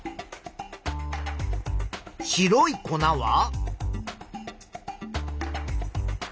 白い粉は？